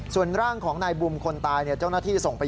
ส่วนร่างของนายบุมคนตายเจ้าหน้าที่ส่งไป